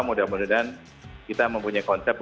mudah mudahan kita mempunyai konsep